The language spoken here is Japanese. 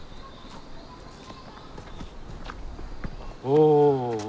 おお。